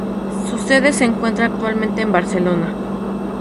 Su sede se encuentra actualmente en Barcelona.